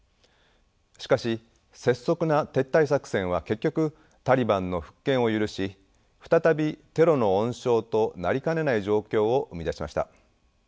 しかし拙速な撤退作戦は結局タリバンの復権を許し再びテロの温床となりかねない状況を生み出しました。